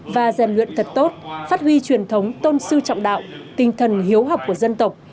và rèn luyện thật tốt phát huy truyền thống tôn sư trọng đạo tinh thần hiếu học của dân tộc